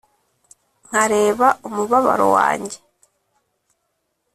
nkareba umubabaro wanjye